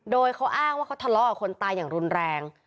โดยเขาอ้างว่าเขาทะเลาะกับคนตายอย่างรุนแรง